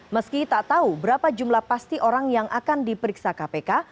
meski tak tahu berapa jumlah pasti orang yang akan diperiksa kpk